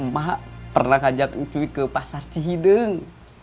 mak pernah ngajak ucuy ke pasar cihideng